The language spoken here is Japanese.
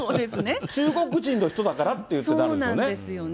中国人の人だからってなるんそうなんですよね。